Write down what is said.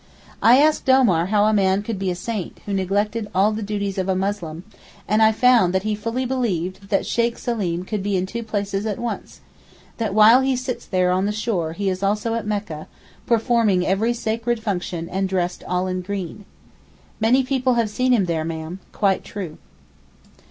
I asked Omar how a man could be a saint who neglected all the duties of a Muslim, and I found that he fully believed that Sheykh Seleem could be in two places at once, that while he sits there on the shore he is also at Mecca, performing every sacred function and dressed all in green. 'Many people have seen him there, ma'am, quite true.